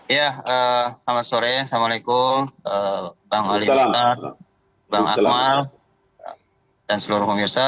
ya selamat sore assalamualaikum bang ali bintan bang akmal dan seluruh pemirsa